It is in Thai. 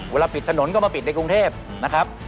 เวลาปิดถนนก็มาปิดในกรุงเทพนะครับ